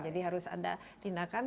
jadi harus ada tindakan